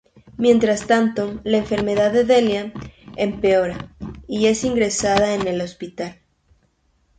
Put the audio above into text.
Mientras tanto, la enfermedad de Delia empeora y es ingresada en el hospital.